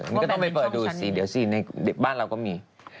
มันก็ต้องไปเปิดดูสิเดี๋ยวสิในบ้านเราก็มี